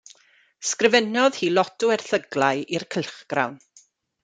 Sgrifennodd hi lot o erthyglau i'r cylchgrawn.